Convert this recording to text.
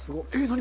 何？